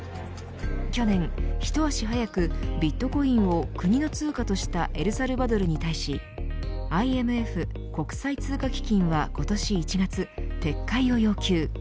去年、一足早くビットコインを国の通貨としたエルサルバドルに対しＩＭＦ国際通貨基金は今年１月、撤回を要求。